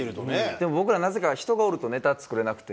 でも僕らなぜか人がおるとネタ作れなくて。